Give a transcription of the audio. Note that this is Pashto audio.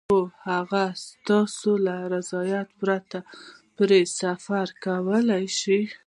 خو هغه ستا له رضایت پرته سفر کولای شي.